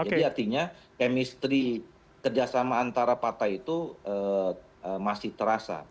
jadi artinya kemistri kerjasama antara partai itu masih terasa